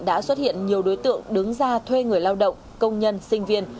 đã xuất hiện nhiều đối tượng đứng ra thuê người lao động công nhân sinh viên